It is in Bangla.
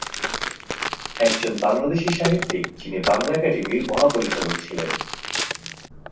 একজন বাংলাদেশি সাহিত্যিক যিনি বাংলা একাডেমির মহাপরিচালক ছিলেন।